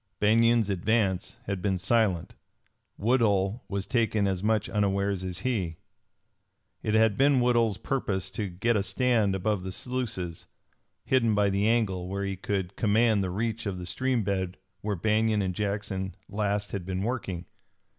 Banion's advance had been silent. Woodhull was taken as much unawares as he. It had been Woodhull's purpose to get a stand above the sluices, hidden by the angle, where he could command the reach of the stream bed where Banion and Jackson last had been working.